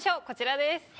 こちらです。